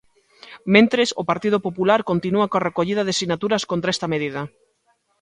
Mentres, o Partido Popular continúa coa recollida de sinaturas contra esta medida.